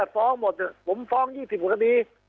ฟ้องหมดผมฟ้อง๒๐คดี